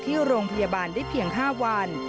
ที่โรงพยาบาลได้เพียง๕วัน